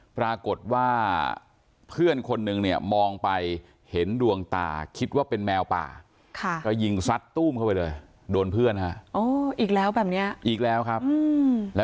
ปรากฏว่าเพื่อนคนนึงเนี่ยมองไปเห็นดวงตาคิดว่าเป็นแมวป่า